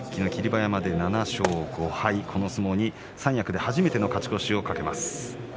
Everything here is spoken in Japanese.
馬山で７勝５敗三役で初めての勝ち越しを懸けます。